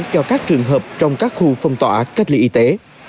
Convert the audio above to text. cho các trường hợp trong các khu phong tỏa cách ly y tế